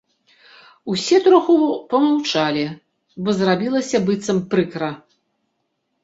Усе троху памаўчалі, бо зрабілася быццам прыкра.